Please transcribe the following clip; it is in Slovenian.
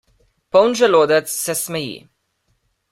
Poln želodec se smeji.